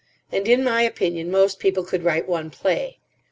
And, in my opinion, most people could write one play.